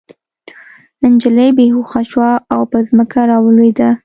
نجلۍ بې هوښه شوه او په ځمکه راولوېده